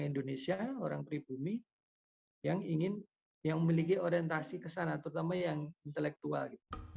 indonesia orang pribumi yang ingin yang memiliki orientasi kesana terutama yang intelektual gitu